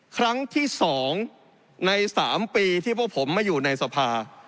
ครั้งที่๒ใน๓ปีที่พวกผมมาอยู่ในสภา